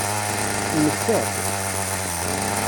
Temmekta-d?